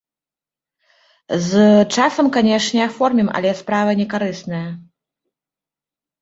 З часам, канечне, аформім, але справа не карысная.